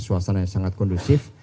suasana yang sangat kondusif